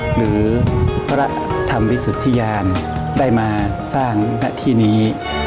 หรือพระธรรมวิสุทธิยานได้มาสร้างหน้าที่นี้